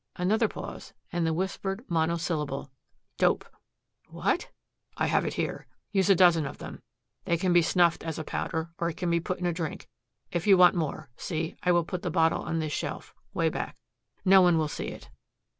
Another pause and the whispered monosyllable, "Dope!" "What?" "I have it here. Use a dozen of them. They can be snuffed as a powder, or it can be put in a drink. If you want more see, I will put the bottle on this shelf 'way back. No one will see it."